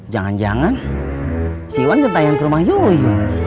jangan jangan siwan ngetahuin ke rumah yuyun